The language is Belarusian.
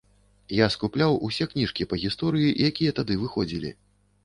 Я скупляў усе кніжкі па гісторыі, якія тады выходзілі.